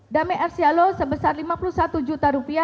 dame ersialo sebesar rp lima puluh satu